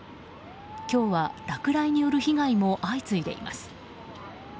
今日は落雷による被害も相次いでいます。